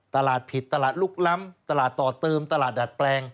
ตลาดผิดตลาดลุกล้ำตลาดต่อเติมตลาดดัดแปลง